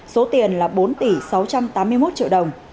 số tiền là bốn tỷ sáu trăm tám mươi một triệu đồng